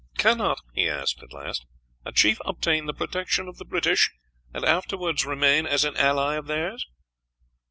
"Cannot," he asked at last, "a chief obtain the protection of the British, and afterwards remain as an ally of theirs?"